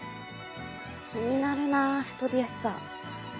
気になるな太りやすさ。